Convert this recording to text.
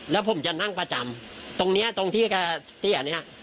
แล้วผมจะนั่งประจำตรงนี้ตรงที่เตี้ยอันนี้